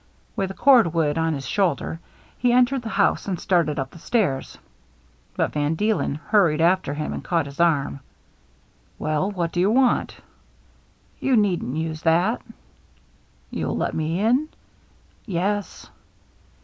With the cord wood on his shoulder, he entered the house and started up the stairs. But Van Deelen hurried after him and caught his arm. " Well, what do you want ?" "You needn't i^se that." "You'll let me in?" "Yes."